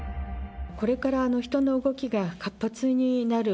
これから人の動きが活発になる。